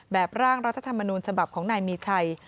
ร่างรัฐธรรมนูญฉบับของนายมีชัย